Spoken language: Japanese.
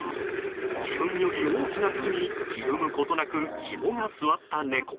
自分より大きな敵にひるむことなく肝が据わった猫。